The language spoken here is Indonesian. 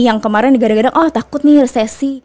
yang kemarin digadang gadang oh takut nih resesi